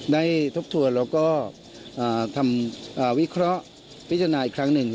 ทบทวนแล้วก็ทำวิเคราะห์พิจารณาอีกครั้งหนึ่ง